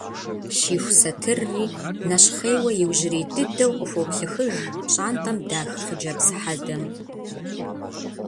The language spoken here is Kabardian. Щиху сатырри нэщхъейуэ иужьрей дыдэу къыхуоплъыхыж пщӏантӏэм дах хъыджэбз хьэдэм.